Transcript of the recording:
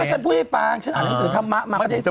ฉันพูดให้ฟังฉันอ่านหนังสือธรรมะมาก็ได้